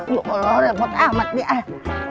duh allah repot amat nih